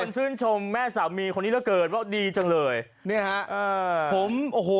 ชื่นชมแม่สามีคนนี้เหลือเกินว่าดีจังเลยเนี่ยฮะเออผมโอ้โห